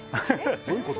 どういうこと？